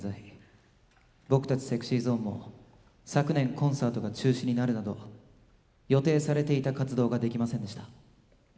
僕たちＳｅｘｙＺｏｎｅも昨年コンサートが中止になるなど予定されていた活動ができませんでした。